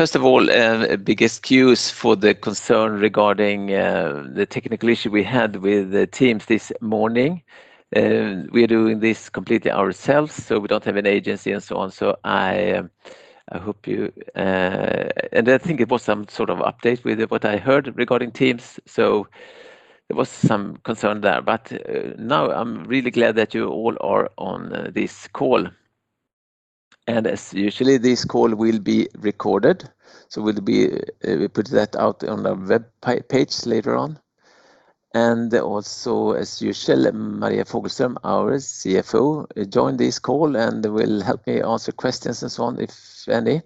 First of all, apologies for the concern regarding the technical issue we had with Teams this morning. We are doing this completely ourselves, so we don't have an agency and so on. I think it was some sort of update with what I heard regarding Teams. There was some concern there, but now I'm really glad that you all are on this call. As usual, this call will be recorded. We'll put that out on a web page later on. As usual, Maria Fogelström, our CFO, joined this call and will help me answer questions and so on, if any.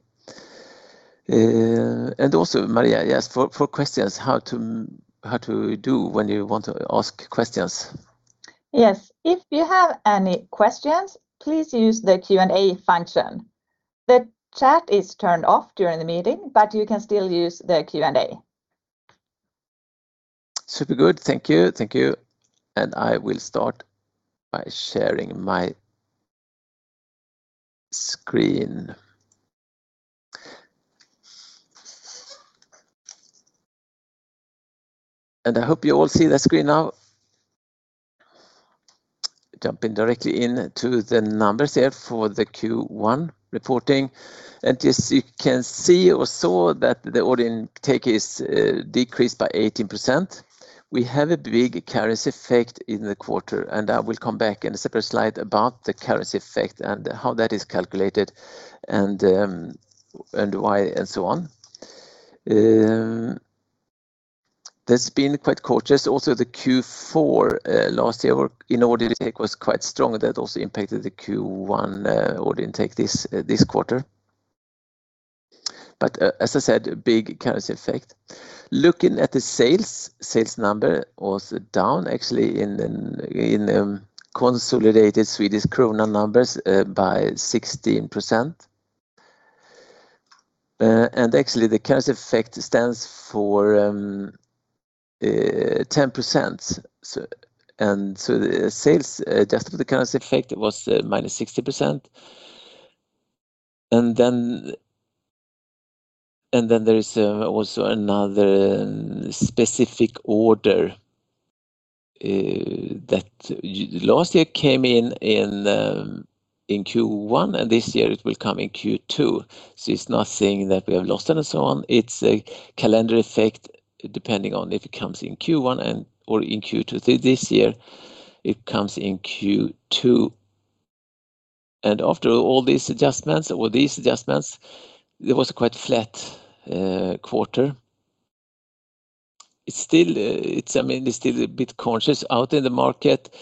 Maria, yes, for questions, how to do when you want to ask questions? Yes. If you have any questions, please use the Q&A function. The chat is turned off during the meeting, but you can still use the Q&A. Super good, thank you. I will start by sharing my screen. I hope you all see the screen now. Jumping directly into the numbers here for the Q1 reporting. As you can see or saw that the order intake is decreased by 18%. We have a big currency effect in the quarter, and I will come back in a separate slide about the currency effect and how that is calculated and why, and so on. That's been quite cautious. Also the Q4 last year in order intake was quite strong, that also impacted the Q1 order intake this quarter. As I said, big currency effect. Looking at the sales number, also down actually in consolidated Swedish krona numbers by 16%. Actually the currency effect stands for 10%. The sales adjusted for the currency effect was -16%. There is also another specific order that last year came in in Q1, and this year it will come in Q2. It's not saying that we have lost it and so on. It's a calendar effect, depending on if it comes in Q1 or in Q2. This year it comes in Q2. After all these adjustments, it was a quite flat quarter. It's still a bit cautious out in the market,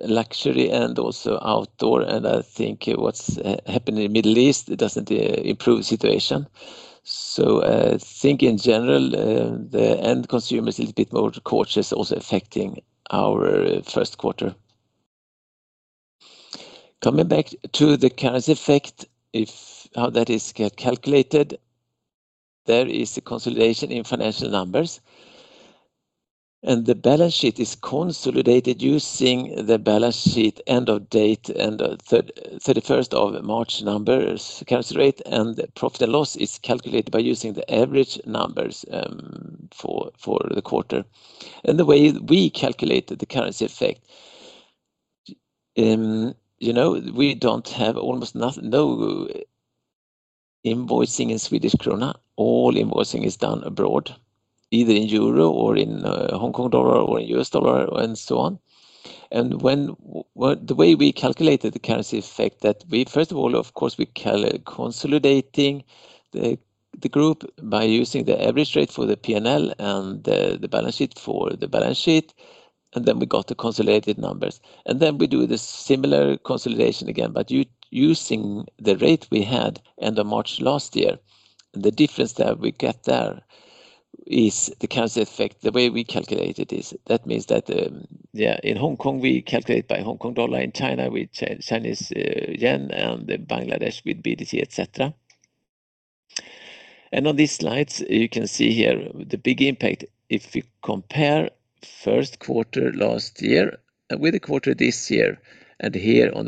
luxury and also outdoor. I think what's happening in Middle East, it doesn't improve the situation. I think in general, the end consumer is a little bit more cautious, also affecting our first quarter. Coming back to the currency effect, how that is calculated. There is a consolidation in financial numbers, and the balance sheet is consolidated using the balance sheet end of date and 31st of March numbers currency rate, and profit and loss is calculated by using the average numbers for the quarter. The way we calculated the currency effect, we don't have almost no invoicing in Swedish krona. All invoicing is done abroad, either in euro or in Hong Kong dollar or in U.S. dollar and so on. The way we calculated the currency effect that we, first of all, of course, we consolidating the group by using the average rate for the P&L and the balance sheet for the balance sheet. We got the consolidated numbers. We do the similar consolidation again, but using the rate we had end of March last year. The difference that we get there is the currency effect. The way we calculate it is that means that in Hong Kong, we calculate by Hong Kong dollar, in China with Chinese yuan and Bangladesh with BDT, et cetera. On these slides, you can see here the big impact if you compare first quarter last year with the quarter this year. Here on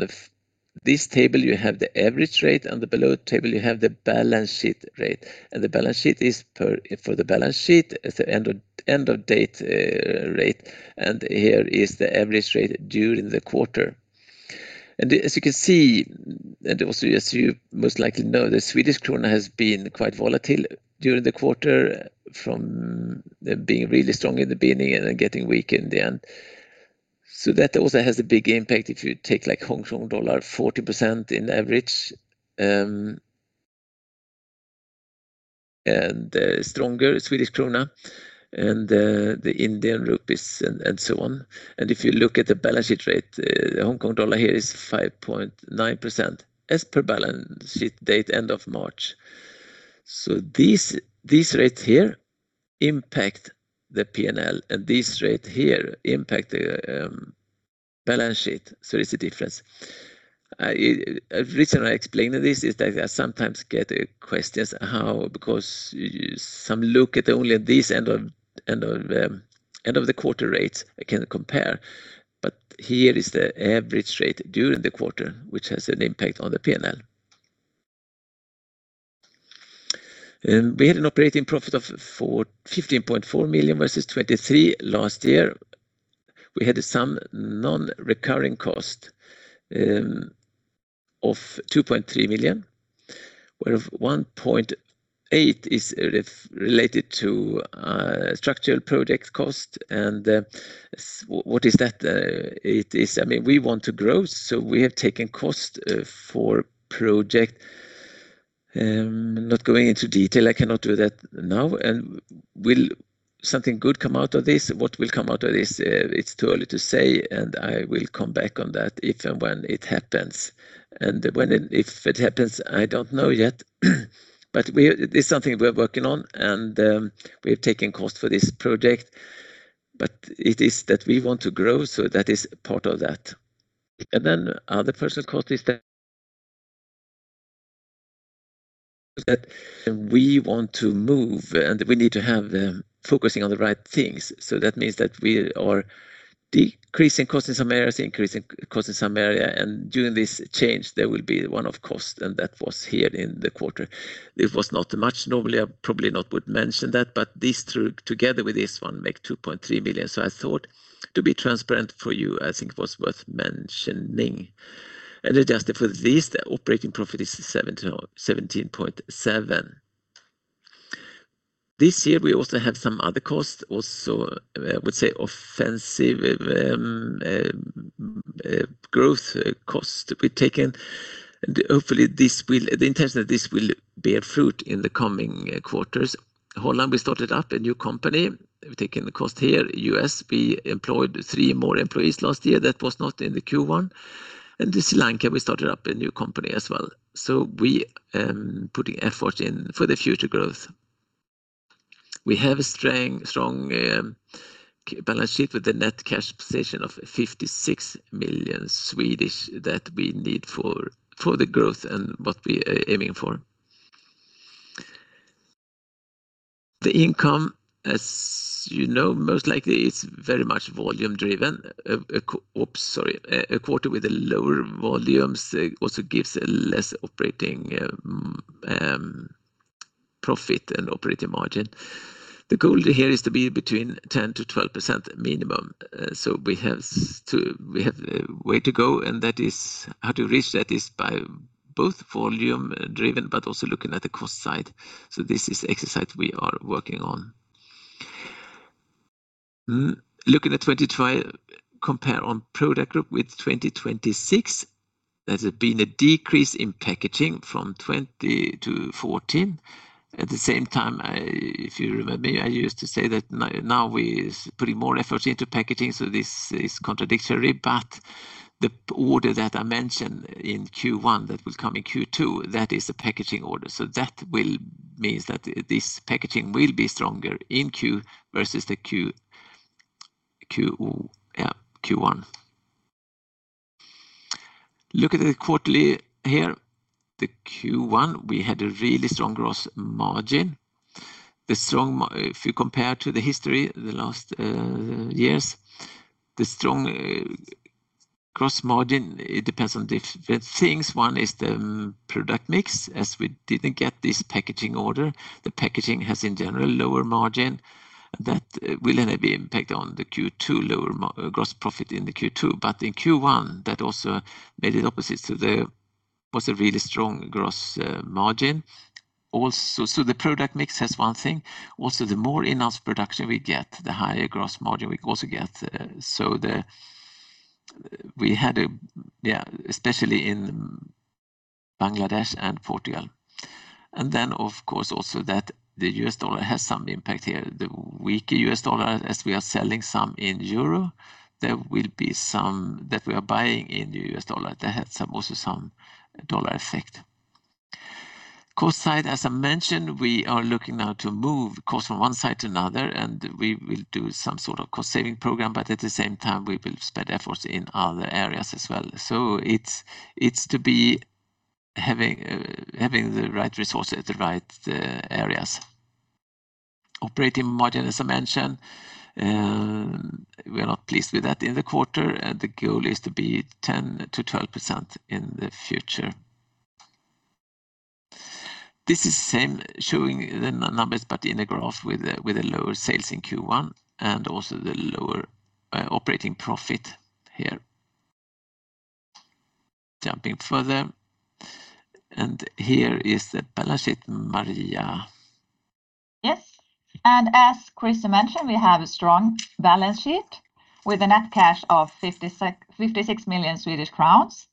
this table, you have the average rate, and the below table, you have the balance sheet rate. The balance sheet is for the balance sheet at the end of date rate. Here is the average rate during the quarter. As you can see, and also as you most likely know, the Swedish krona has been quite volatile during the quarter from being really strong in the beginning and then getting weak in the end. That also has a big impact if you take Hong Kong dollar, 40% in average, and a stronger Swedish krona and the Indian rupees and so on. If you look at the balance sheet rate, the Hong Kong dollar here is 5.9% as per balance sheet date end of March. These rates here impact the P&L, and these rates here impact the balance sheet. There's a difference. The reason I explained this is that I sometimes get questions how because some look at only this end of the quarter rates, I can compare, but here is the average rate during the quarter, which has an impact on the P&L. We had an operating profit of 15.4 million versus 23 million last year. We had some non-recurring cost of 2.3 million, where 1.8 million is related to structural project cost. What is that? We want to grow, so we have taken costs for project. Not going into detail, I cannot do that now. Will something good come out of this? What will come out of this? It's too early to say, and I will come back on that if and when it happens. When, if it happens, I don't know yet. It's something we're working on, and we have taken costs for this project, but it is that we want to grow, so that is part of that. Then other personnel costs is that we want to move, and we need to have focus on the right things. That means that we are decreasing costs in some areas, increasing costs in some areas, and during this change, there will be one-off costs, and that was here in the quarter. It was not much. Normally, I probably not would mention that, but these two, together with this one, make 2.3 million. I thought to be transparent for you, I think it was worth mentioning. Adjusted for this, the operating profit is 17.7 million. This year we also have some other costs. Also, I would say offensive growth cost to be taken. Hopefully, the intention that this will bear fruit in the coming quarters. Holland, we started up a new company. We've taken the cost here. U.S., we employed three more employees last year. That was not in the Q1. Sri Lanka, we started up a new company as well. We putting effort in for the future growth. We have a strong balance sheet with the net cash position of 56 million that we need for the growth and what we aiming for. The income, as you know, most likely is very much volume driven. A quarter with the lower volumes also gives less operating profit and operating margin. The goal here is to be between 10%-12% minimum. We have a way to go and how to reach that is by both volume driven, but also looking at the cost side. This is exercise we are working on. Looking at 2025, compared on product group with 2026, there's been a decrease in packaging from 20 to 14 orders. At the same time, if you remember me, I used to say that now we putting more effort into packaging, so this is contradictory. The order that I mentioned in Q1 that will come in Q2, that is a packaging order. That will mean that this packaging will be stronger in Q2 versus Q1. Look at the quarterly here. In Q1, we had a really strong gross margin. If you compare to the history the last years, the strong gross margin, it depends on different things. One is the product mix. As we didn't get this packaging order, the packaging has, in general, lower margin. That will then be impact on the Q2 lower gross profit in the Q2. In Q1, that also made it opposite. There was a really strong gross margin. The product mix has one thing. Also, the more in-house production we get, the higher gross margin we also get. We had, especially in Bangladesh and Portugal. Of course, also that the U.S. dollar has some impact here. The weaker U.S. dollar, as we are selling some in euro, there will be some that we are buying in the U.S. dollar. That had also some dollar effect. Cost side, as I mentioned, we are looking now to move cost from one side to another, and we will do some sort of cost-saving program, but at the same time, we will spend efforts in other areas as well. It's to be having the right resources at the right areas. Operating margin, as I mentioned, we are not pleased with that in the quarter, and the goal is to be 10%-12% in the future. This is same, showing the numbers, but in a graph with the lower sales in Q1 and also the lower operating profit here. Jumping further, here is the balance sheet, Maria. Yes. As Krister mentioned, we have a strong balance sheet with a net cash of 56 million Swedish crowns.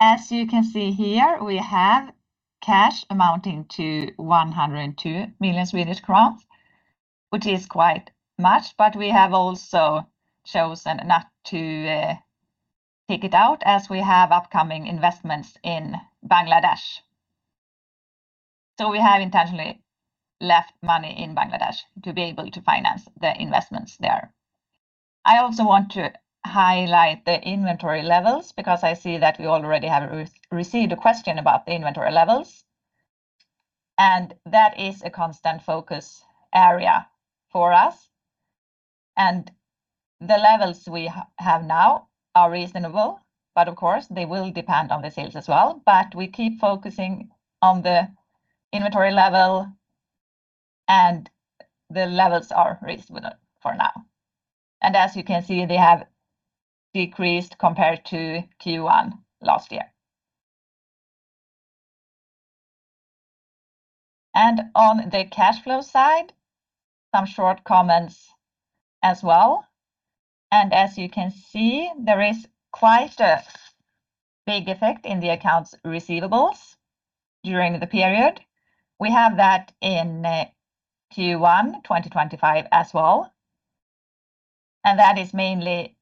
As you can see here, we have cash amounting to 102 million Swedish crowns, which is quite much, but we have also chosen not to take it out as we have upcoming investments in Bangladesh. We have intentionally left money in Bangladesh to be able to finance the investments there. I also want to highlight the inventory levels because I see that we already have received a question about the inventory levels. That is a constant focus area for us. The levels we have now are reasonable, but of course, they will depend on the sales as well. But we keep focusing on the inventory level, and the levels are reasonable for now. As you can see, they have decreased compared to Q1 last year. On the cash flow side, some short comments as well. As you can see, there is quite a big effect in the accounts receivable during the period. We have that in Q1 2025 as well. That is mainly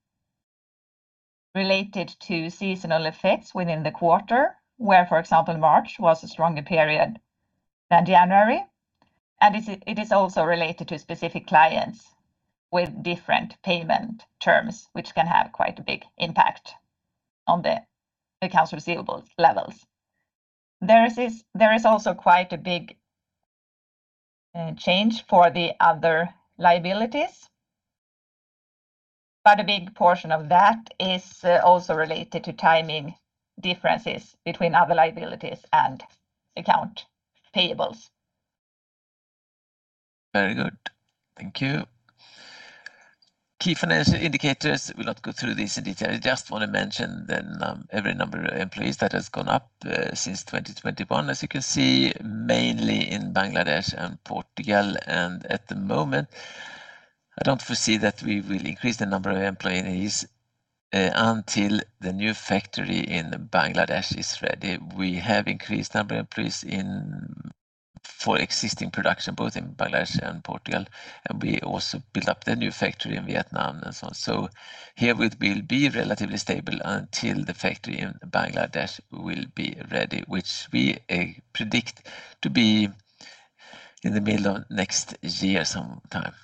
related to seasonal effects within the quarter, where, for example, March was a stronger period than January. It is also related to specific clients with different payment terms, which can have quite a big impact on the accounts receivable levels. There is also quite a big change for the other liabilities, but a big portion of that is also related to timing differences between other liabilities and accounts payable. Very good. Thank you. Key financial indicators. We'll not go through this in detail. I just want to mention the average number of employees that has gone up since 2021. As you can see, mainly in Bangladesh and Portugal, and at the moment, I don't foresee that we will increase the number of employees until the new factory in Bangladesh is ready. We have increased number of employees for existing production, both in Bangladesh and Portugal, and we also built up the new factory in Vietnam and so on. So here, we'll be relatively stable until the factory in Bangladesh will be ready, which we predict to be in the middle of next year sometime.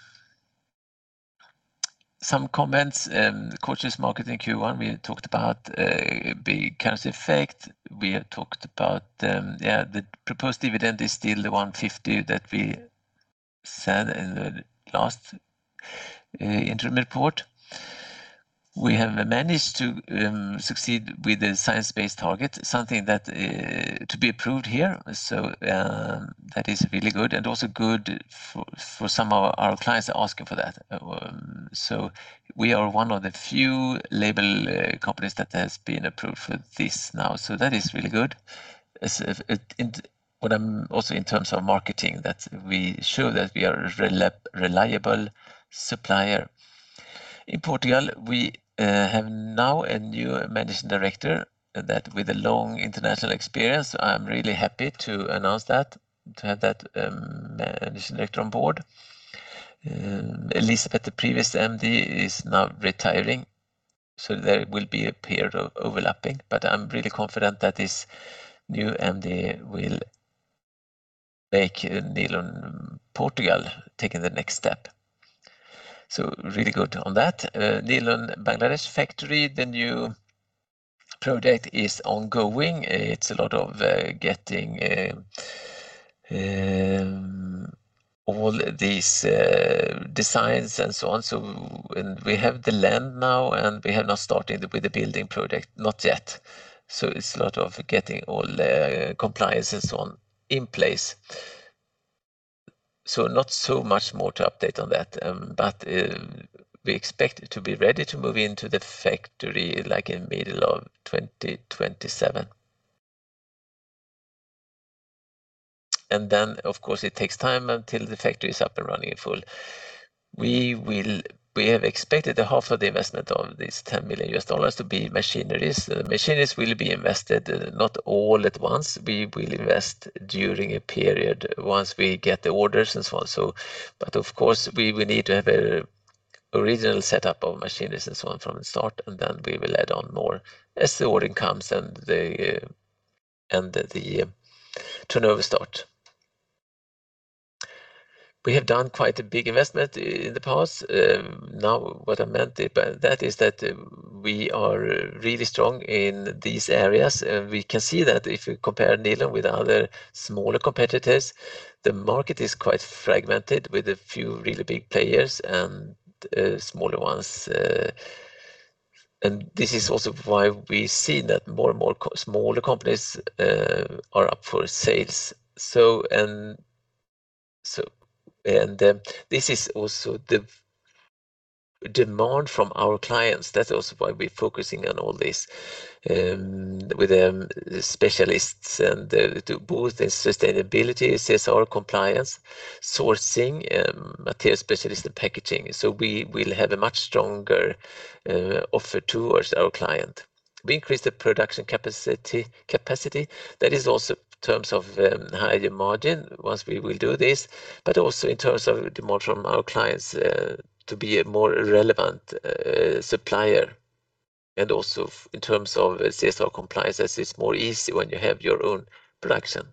Some comments. Cautious market in Q1. We talked about a big currency effect. We talked about the proposed dividend is still the 1.50 that we said in the last interim report. We have managed to succeed with the Science Based Targets, something that has to be approved here. That is really good and also good for some of our clients asking for that. We are one of the few label companies that has been approved for this now. That is really good. Also in terms of marketing that we show that we are a reliable supplier. In Portugal, we have now a new Managing Director with a long international experience. I'm really happy to announce that, to have that managing director on board. Elizabeth, the previous MD, is now retiring, so there will be a period of overlapping, but I'm really confident that this new MD will make Nilörngruppen Portugal taking the next step. Really good on that. The Nilörngruppen Bangladesh factory, the new project is ongoing. It's a lot of getting all these designs and so on. We have the land now, and we have not started with the building project, not yet. It's a lot of getting all compliance and so on in place. Not so much more to update on that. We expect to be ready to move into the factory in middle of 2027. Then, of course, it takes time until the factory is up and running in full. We have expected the half of the investment of this $10 million to be machineries. Machineries will be invested not all at once. We will invest during a period once we get the orders and so on. Of course, we will need to have an original setup of machineries and so on from the start, and then we will add on more as the ordering comes and the turnover start. We have done quite a big investment in the past. Now, what I meant by that is that we are really strong in these areas. We can see that if you compare Nilörngruppen with other smaller competitors, the market is quite fragmented with a few really big players and smaller ones. This is also why we see that more and more smaller companies are up for sales. This is also the demand from our clients. That's also why we're focusing on all this, with the specialists and to boost the sustainability, CSR compliance, sourcing, material specialists, and packaging. We will have a much stronger offer towards our client. We increase the production capacity. That is also in terms of higher margin once we will do this, but also in terms of demand from our clients, to be a more relevant supplier and also in terms of CSR compliance, as it's more easy when you have your own production.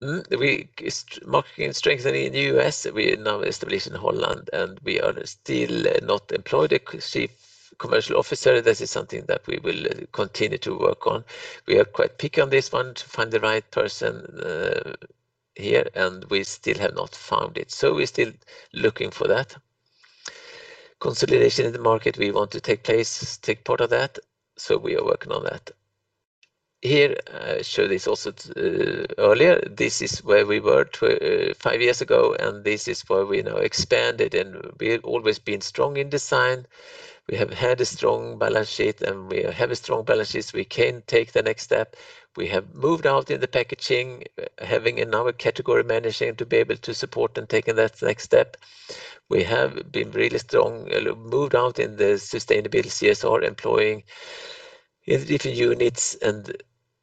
We are marketing and strengthening in the U.S. We are now established in Holland, and we have still not employed a Chief Commercial Officer. This is something that we will continue to work on. We are quite picky on this one to find the right person here, and we still have not found it. We're still looking for that. Consolidation in the market, we want to take part of that, so we are working on that. Here, I showed this also earlier. This is where we were five years ago, and this is where we now expanded, and we have always been strong in design. We have a strong balance sheet, so we can take the next step. We have moved out in the packaging, having another category manager to be able to support and take that next step. We have been really strong, moved out in the sustainability, CSR, employing in different units, and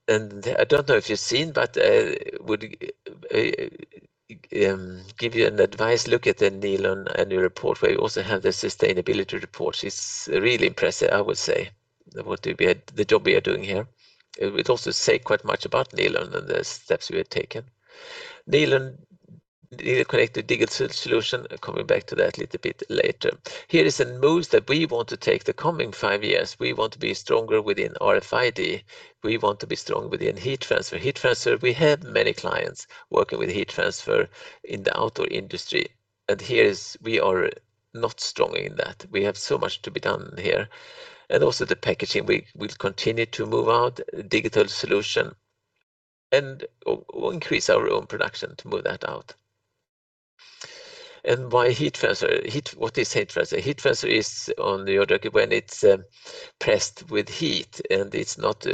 I don't know if you've seen, but I would give you an advice, look at the Nilörngruppen annual report, where you also have the sustainability report. It's really impressive, I would say, the job we are doing here. It also say quite much about Nilörngruppen and the steps we have taken. Nilörn:CONNECT, the digital solution, coming back to that a little bit later. Here is the moves that we want to take the coming five years. We want to be stronger within RFID. We want to be stronger within heat transfer. Heat transfer, we have many clients working with heat transfer in the outdoor industry, and here we are not strong in that. We have so much to be done here. Also the packaging, we'll continue to move out, digital solution, and increase our own production to move that out. What is heat transfer? Heat transfer is on the other, when it's pressed with heat, and it's not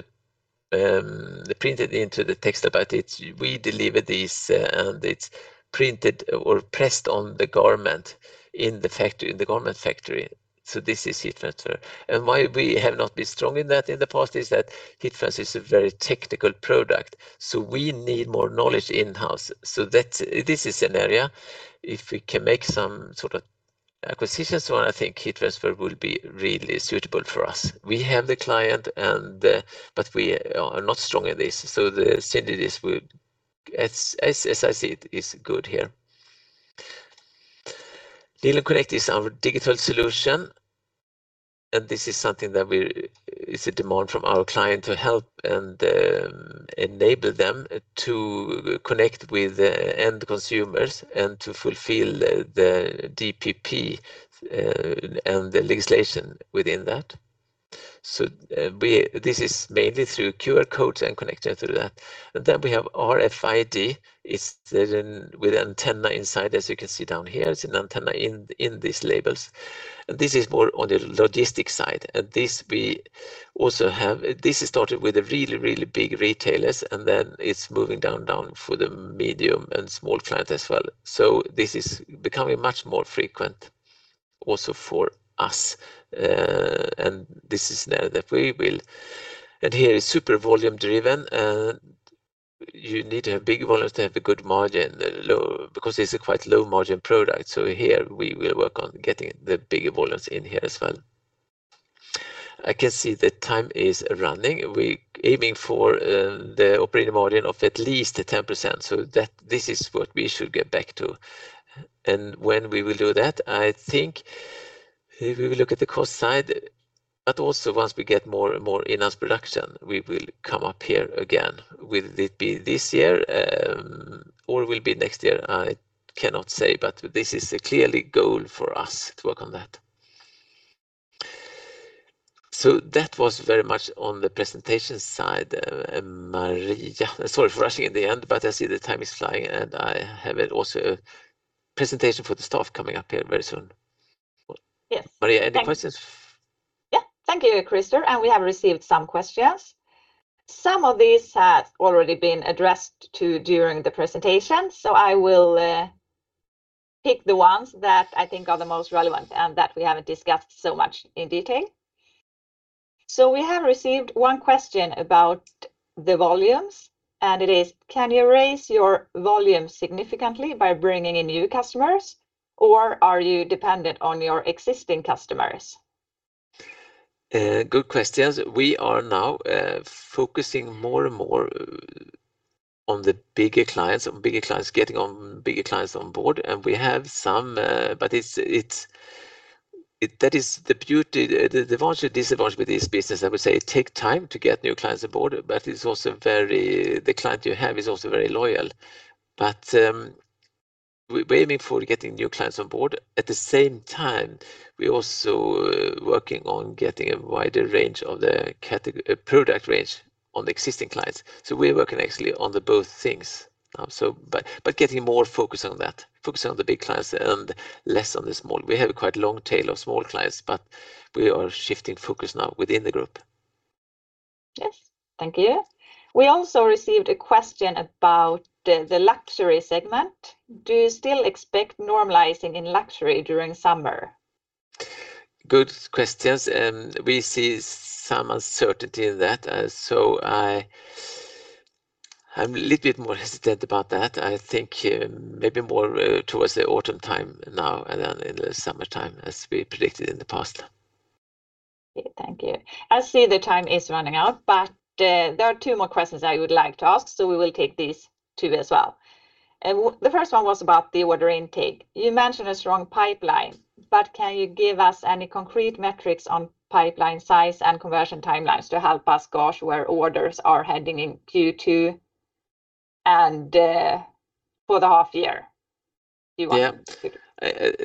printed into the textile, but we deliver this, and it's printed or pressed on the garment in the garment factory. This is heat transfer. Why we have not been strong in that in the past is that heat transfer is a very technical product, so we need more knowledge in-house. This is an area if we can make some sort of acquisitions, I think heat transfer will be really suitable for us. We have the client, but we are not strong in this, so the synergies, as I see it, is good here. Nilörn:CONNECT is our digital solution, and this is something that is a demand from our client to help and enable them to connect with the end consumers and to fulfill the DPP and the legislation within that. This is mainly through QR codes and connected through that. We have RFID. It's with antenna inside, as you can see down here. It's an antenna in these labels. This is more on the logistics side. This started with the really big retailers, and then it's moving down for the medium and small client as well. This is becoming much more frequent also for us. Here, it's super volume driven, and you need to have big volumes to have a good margin, because it's a quite low-margin product. Here, we will work on getting the bigger volumes in here as well. I can see the time is running. We're aiming for the operating margin of at least 10%, so this is what we should get back to. When we will do that, I think if we will look at the cost side, but also once we get more enhanced production, we will come up here again. Will it be this year or will it be next year? I cannot say, but this is clearly goal for us to work on that. That was very much on the presentation side. Maria, sorry for rushing at the end, but I see the time is flying, and I have also a presentation for the staff coming up here very soon. Yes. Maria, any questions? Yeah. Thank you, Krister. We have received some questions. Some of these have already been addressed too during the presentation, I will pick the ones that I think are the most relevant and that we haven't discussed so much in detail. We have received one question about the volumes, and it is: Can you raise your volume significantly by bringing in new customers, or are you dependent on your existing customers? Good questions. We are now focusing more and more on getting bigger clients on board, and we have some. The advantage and disadvantage with this business, I would say, it take time to get new clients on board, but the client you have is also very loyal. We're aiming for getting new clients on board. At the same time, we're also working on getting a wider range of the product range on the existing clients. We're working actually on both things. Getting more focus on that, focusing on the big clients and less on the small. We have a quite long tail of small clients, but we are shifting focus now within the group. Yes. Thank you. We also received a question about the luxury segment. Do you still expect normalizing in luxury during summer? Good questions, and we see some uncertainty in that. I'm a little bit more hesitant about that. I think maybe more towards the autumn time now than in the summertime, as we predicted in the past. Thank you. I see the time is running out, but there are two more questions I would like to ask. We will take these two as well. The first one was about the order intake. You mentioned a strong pipeline, but can you give us any concrete metrics on pipeline size and conversion timelines to help us gauge where orders are heading in Q2 and for the half year Q1? Yeah.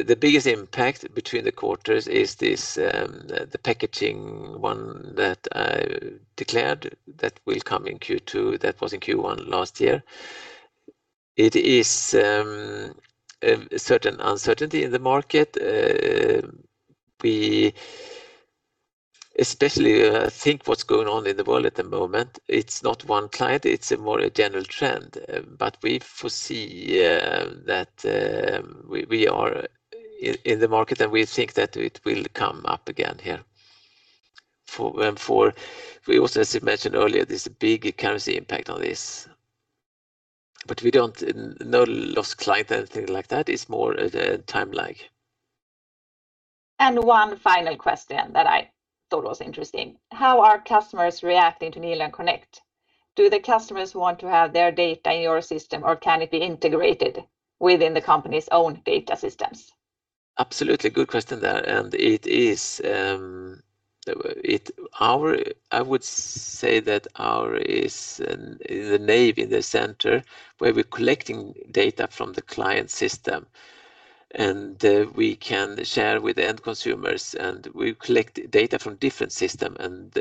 The biggest impact between the quarters is the packaging one that I declared that will come in Q2, that was in Q1 last year. There's a certain uncertainty in the market. We especially think what's going on in the world at the moment. It's not one client. It's a more general trend. We foresee that we are in the market, and we think that it will come up again here. We also, as you mentioned earlier, this big currency impact on this. No lost client or anything like that. It's more the time lag. One final question that I thought was interesting. How are customers reacting to Nilörn:CONNECT? Do the customers want to have their data in your system, or can it be integrated within the company's own data systems? Absolutely. Good question there. I would say that ours is the node in the center where we're collecting data from the client's system, and we can share with the end consumers, and we collect data from different system. We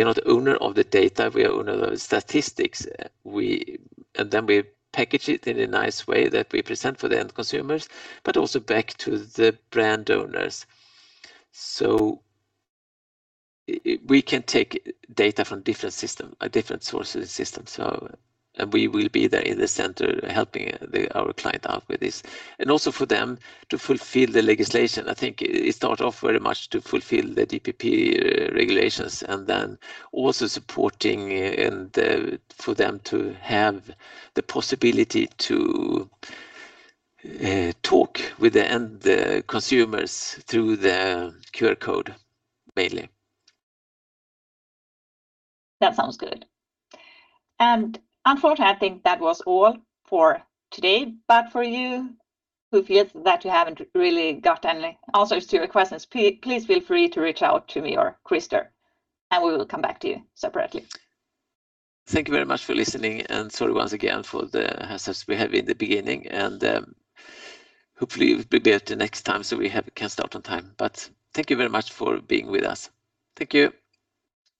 are not owner of the data, we are owner of the statistics. We package it in a nice way that we present for the end consumers, but also back to the brand owners. We can take data from different sources and systems. We will be there in the center helping our client out with this. Also for them to fulfill the legislation. I think it start off very much to fulfill the DPP regulations and then also supporting for them to have the possibility to talk with the end consumers through the QR code, mainly. That sounds good. Unfortunately, I think that was all for today. For you who feels that you haven't really got answers to your questions, please feel free to reach out to me or Krister, and we will come back to you separately. Thank you very much for listening, and sorry once again for the hassle we had in the beginning. Hopefully, it will be better next time, so we can start on time. Thank you very much for being with us. Thank you.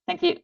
Thank you.